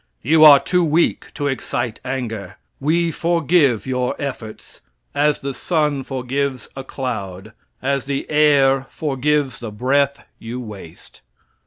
You are too weak to excite anger. We forgive your efforts as the sun forgives a cloud as the air forgives the breath you waste.